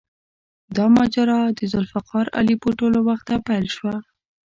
دا ماجرا د ذوالفقار علي بوټو له وخته پیل شوه.